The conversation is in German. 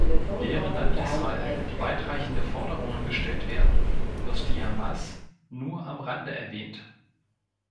Während an Israel weitreichende Forderungen gestellt werden, wird die Hamas nur am Rande erwähnt.